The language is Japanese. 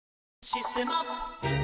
「システマ」